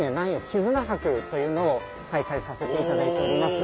きずな博というのを開催させていただいております。